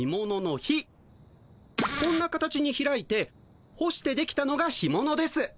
こんな形に開いて干してできたのが干ものです。